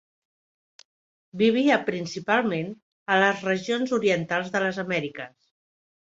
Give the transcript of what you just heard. Vivia principalment a les regions orientals de les Amèriques.